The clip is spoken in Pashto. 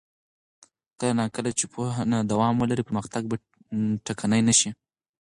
کله نا کله چې پوهنه دوام ولري، پرمختګ به ټکنی نه شي.